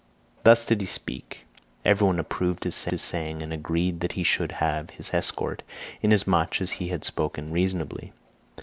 63 Thus did he speak. Every one approved his saying, and agreed that he should have his escort inasmuch as he had spoken reasonably.